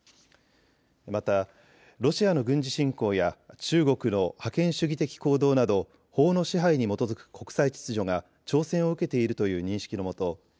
またロシアの軍事侵攻や中国の覇権主義的行動など法の支配に基づく国際秩序が挑戦を受けているという認識のもと